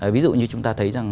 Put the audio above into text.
ví dụ như chúng ta thấy